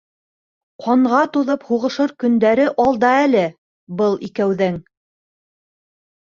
Ҡанға туҙып һуғышыр көндәре алда әле был икәүҙең...